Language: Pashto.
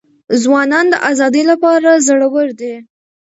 ځوانان د آزادۍ لپاره زړه ور دي.